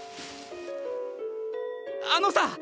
あのさ！